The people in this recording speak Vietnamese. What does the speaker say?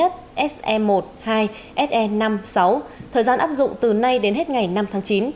thời gian áp dụng từ nay đến hết ngày năm tháng chín